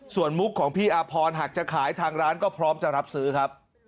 ส่วนมุกของพี่อาพรหากจะขายทางร้านก็พร้อมจะรับซื้อครับ